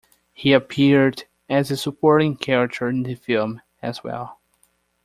He appeared as a supporting character in the film, as well.